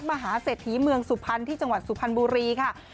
มหาเศรษฐีเมืองสุพรรณที่จังหวัดสุพรรณบุรีค่ะ